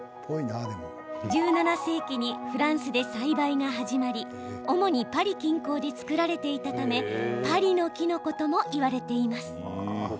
１７世紀にフランスで栽培が始まり主にパリ近郊で作られていたためパリのキノコとも言われています。